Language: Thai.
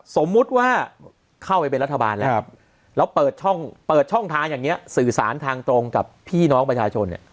สมมุติว่าเข้าไปเป็นรัฐบาลแล้วแล้วเปิดช่องเปิดช่องทางอย่างนี้สื่อสารทางตรงกับพี่น้องประชาชนเนี่ย